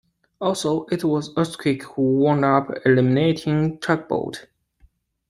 Also, it was Earthquake who wound up eliminating Tugboat.